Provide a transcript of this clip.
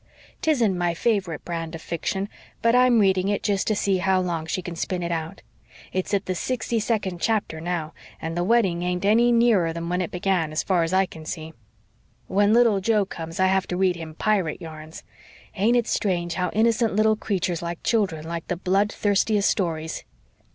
'Tisn't my favorite brand of fiction, but I'm reading it jest to see how long she can spin it out. It's at the sixty second chapter now, and the wedding ain't any nearer than when it begun, far's I can see. When little Joe comes I have to read him pirate yarns. Ain't it strange how innocent little creatures like children like the blood thirstiest stories?"